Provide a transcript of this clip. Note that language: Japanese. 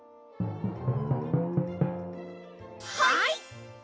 はい！